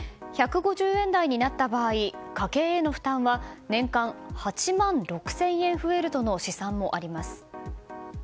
１５０円台になった場合家計への負担は年間８万６０００円増えるとの試算もあります。